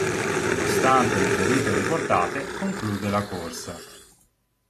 Nonostante le ferite riportate conclude la corsa.